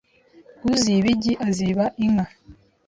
Uziba igi aziba inka .